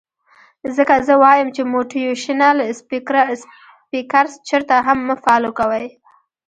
ځکه زۀ وائم چې موټيوېشنل سپيکرز چرته هم مۀ فالو کوئ